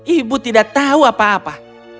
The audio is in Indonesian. ibu tidak tahu apa apa